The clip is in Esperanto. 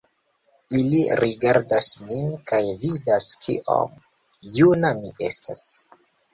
Ili rigardas min, kaj vidas kiom juna mi estas.